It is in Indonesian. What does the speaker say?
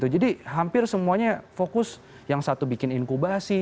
jadi hampir semuanya fokus yang satu bikin inkubasi